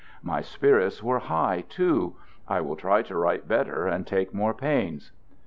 My spirits were high, too. I will try to write better and take more pains.